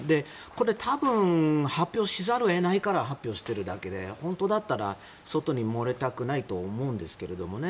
これ多分発表せざるを得ないから発表しているだけで本当だったら外に漏れたくないと思うんですけどね。